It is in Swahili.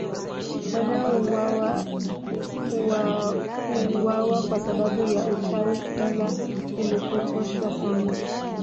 Wanaouwawa huuwawa kwa sababu ya uchawi ila imepotoshwa sana